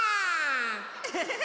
エヘヘヘ。